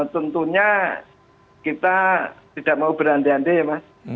tentunya kita tidak mau berande ande ya mas